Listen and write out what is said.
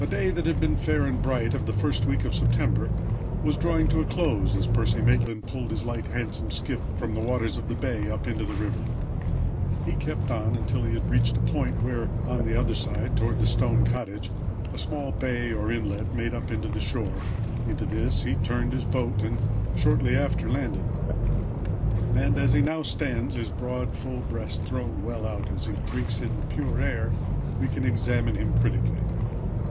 A day that had been fair and bright, of the first week of September, was drawing to a close as Percy Maitland pulled his light, handsome skiff from the waters of the bay up into the river. He kept on until he had reached a point where, on the other side, toward the stone cottage, a small bay or inlet made up into the shore. Into this he turned his boat and shortly after landed. And as he now stands, his broad full breast thrown well out as he drinks in the pure air, we can examine him critically.